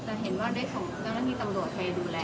แต่เห็นว่าด้วยสมมุติตั้งแต่มีตำรวจไปดูแลแล้ว